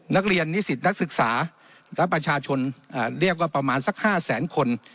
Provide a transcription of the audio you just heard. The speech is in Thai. นิสิตนักศึกษาและประชาชนเรียกว่าประมาณสัก๕แสนคน